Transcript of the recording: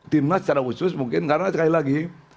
timnas secara khusus mungkin karena sekali lagi